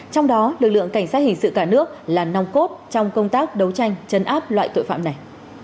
trong đó lực lượng cảnh sát hình sự cả nước là nòng cốt trong công tác đấu tranh chấn áp loại tội phạm này